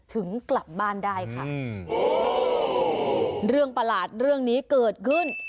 ถึงกลับบ้านได้ค่ะอืมเรื่องประหลาดเรื่องนี้เกิดขึ้น